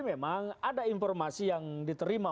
memang ada informasi yang diterima